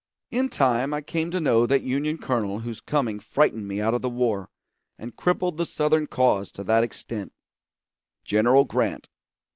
In time I came to know that Union colonel whose coming frightened me out of the war and crippled the Southern cause to that extent General Grant.